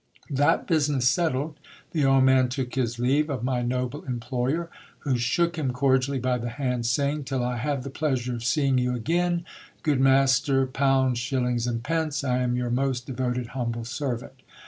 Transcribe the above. That business settled, the old man took his leave of my noble employer, who shook him cordially by the hand, saying : "Till I have the pleasure of seeing you again, good master pounds, shillings, and pence, I am your most devoted humble servant.